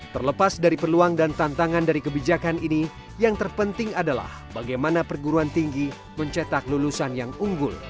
terlepas dari peluang dan tantangan dari kebijakan ini yang terpenting adalah bagaimana perguruan tinggi mencetak lulusan yang unggul